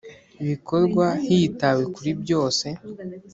bikorwa hitawe kuri byose